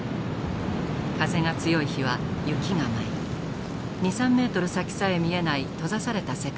風が強い日は雪が舞い２３メートル先さえ見えない閉ざされた世界になります。